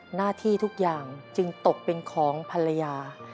หน้าที่ทุกอย่างจึงตกเป็นของภรรยา